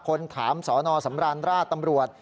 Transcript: คนถามสนสำราญราชตำรวจ